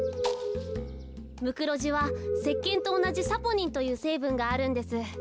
ムクロジはせっけんとおなじサポニンというせいぶんがあるんです。